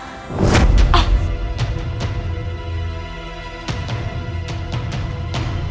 mohon ditunggu gusti raden